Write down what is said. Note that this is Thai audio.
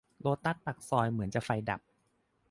โลตัสปากซอยเหมือนจะไฟดับ